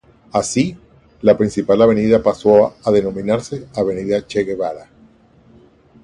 Así, la principal avenida pasó a denominarse Avenida Che Guevara.